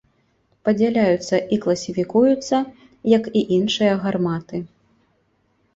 Падзяляюцца і класіфікуюцца як і іншыя гарматы.